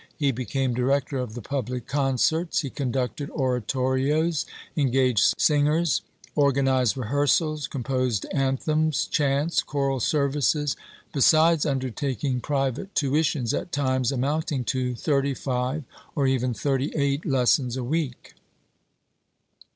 He became director of the public concerts; he conducted oratorios, engaged singers, organised rehearsals, composed anthems, chants, choral services, besides undertaking private tuitions, at times amounting to thirty five or even thirty eight lessons a week.